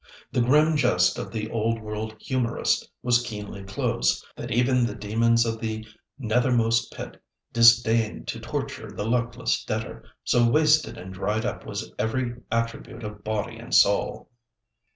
The grim jest of the old world humorist was keenly close—that even the demons of the nethermost pit disdained to torture the luckless debtor, so wasted and dried up was every attribute of body and soul!